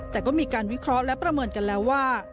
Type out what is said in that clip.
แต่ก็มีการวิเคราะห์และประเมินกันแล้วว่า